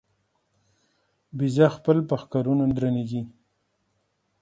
بزه خپل په ښکرو نه درنېږي.